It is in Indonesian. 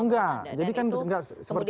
enggak jadi kan seperti itu